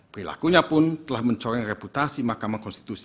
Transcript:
perilakunya pun telah mencoreng reputasi mahkamah konstitusi